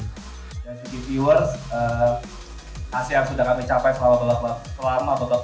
tim yang berhasil menjadi juara adalah